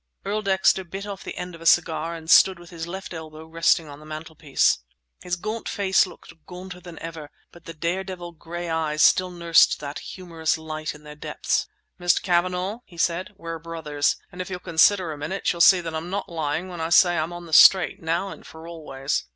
Earl Dexter bit off the end of a cigar and stood with his left elbow resting on the mantelpiece. His gaunt face looked gaunter than ever, but the daredevil gray eyes still nursed that humorous light in their depths. "Mr. Cavanagh," he said, "we're brothers! And if you'll consider a minute, you'll see that I'm not lying when I say I'm on the straight, now and for always!"